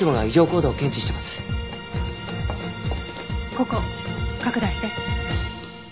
ここ拡大して。